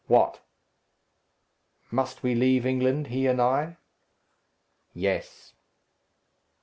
"What?" "Must we leave England, he and I?" "Yes."